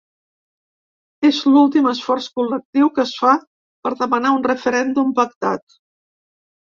És l’últim esforç col·lectiu que es fa per demanar un referèndum pactat.